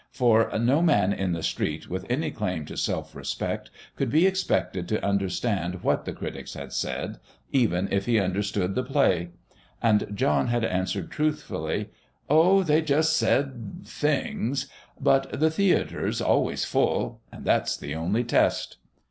For no "Man in the Street," with any claim to self respect, could be expected to understand what the Critics had said, even if he understood the Play. And John had answered truthfully: "Oh, they just said things. But the theatre's always full and that's the only test."